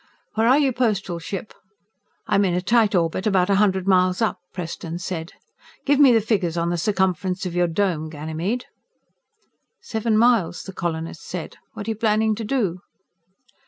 "Where are you, Postal Ship?" "I'm in a tight orbit about a hundred miles up," Preston said. "Give me the figures on the circumference of your Dome, Ganymede?" "Seven miles," the colonist said. "What are you planning to do?"